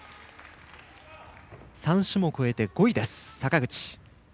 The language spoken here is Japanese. ３種目終えて５位です、坂口。